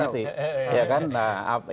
siapa itu pak